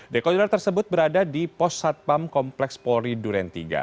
dekoder tersebut berada di pos satpam kompleks polri duren tiga